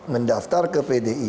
mendaftar ke pdp